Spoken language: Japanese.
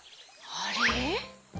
あれ？